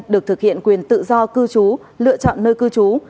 được thực hiện quyền tự do cư trú lựa chọn nơi cư trú